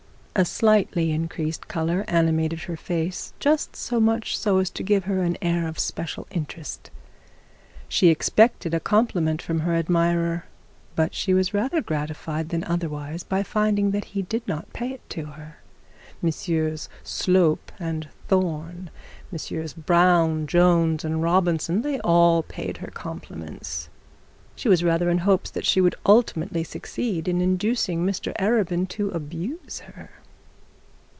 A slightly increased colour animated her face, just so much so as to give her an air of special interest. She expected a compliment from her admirer, but she was rather grateful than otherwise by finding that he did not pay it to her. Messrs Slope and Thorne, Messrs Brown, Jones and Robinson, they all paid her compliments. She was rather in hopes that she would ultimately succeed in inducing Mr Arabin to abuse her.